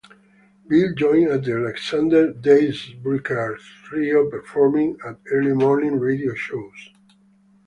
Bill joined the Alexanders Daybreakers trio performing at early-morning radio shows.